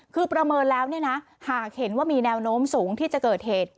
คือประเมินแล้วเนี่ยนะหากเห็นว่ามีแนวโน้มสูงที่จะเกิดเหตุ